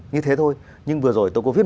như thế thôi nhưng vừa rồi tôi có viết